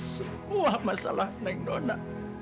semua masalah nek nona